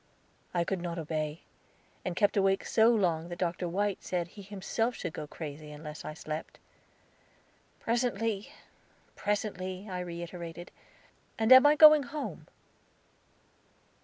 I could not obey, and kept awake so long that Dr. White said he himself should go crazy unless I slept. "Presently, presently," I reiterated; "and am I going home?"